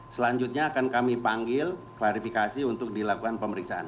selanjutnya akan kami panggil klarifikasi untuk dilakukan pemeriksaan